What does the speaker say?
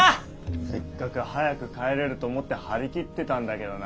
せっかく早く帰れると思って張り切ってたんだけどな。